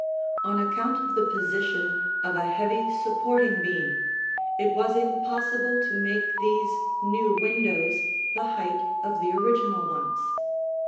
On account of the position of a heavy supporting beam, it was impossible to make these new windows the height of the original ones.